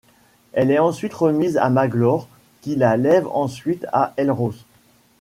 Elle est ensuite remise à Maglor, qui la lègue ensuite à Elros.